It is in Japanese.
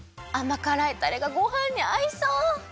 あまからいタレがごはんにあいそう！